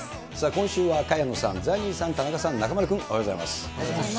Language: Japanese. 今週は萱野さん、ザニーさん、田中さん、中丸君、おはようございます。